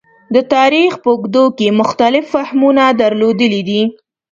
د تاریخ په اوږدو کې مختلف فهمونه درلودلي دي.